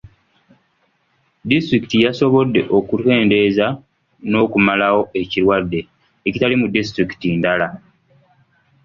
Disitulikiti yasobodde okukendeeza n'okumalawo ekirwadde, ekitali mu disitulikiti endala.